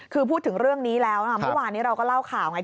คือพูดถึงเรื่องนี้แล้วนะเมื่อวานนี้เราก็เล่าข่าวไง